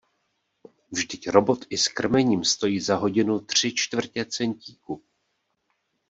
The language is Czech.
Vždyť Robot i s krmením stojí za hodinu tři čtvrtě centíku!